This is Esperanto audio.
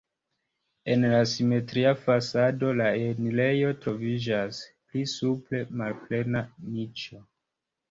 En la simetria fasado la enirejo troviĝas, pli supre malplena niĉo.